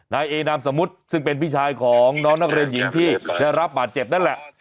นายเอนามสมมุติซึ่งเป็นพี่ชายของน้องนักเรียนหญิงที่ได้รับบาดเจ็บนั่นแหละ